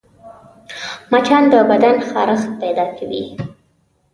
مچان د بدن خارښت پیدا کوي